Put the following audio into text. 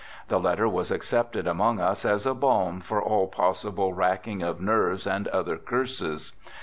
The letter I was accepted among us as a balm for all possible ; racking of nerves and other curses.